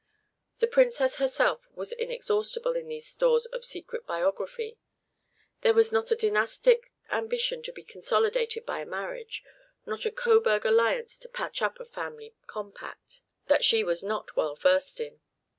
The Princess herself was inexhaustible in these stores of secret biography; there was not a dynastic ambition to be consolidated by a marriage, not a Coburg alliance to patch up a family compact, that she was not well versed in.